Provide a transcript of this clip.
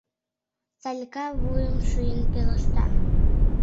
Салика вуйым шийын пелешта: